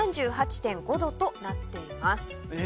３８．５℃となっています。